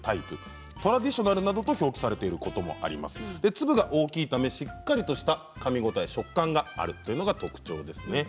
粒が大きいためしっかりとしたかみ応え食感があるっていうのが特徴ですね。